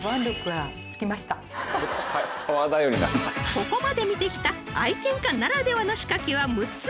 ［ここまで見てきた愛犬家ならではの仕掛けは６つ］